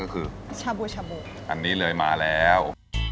ก็คือชาบูชาโบอันนี้เลยมาแล้ว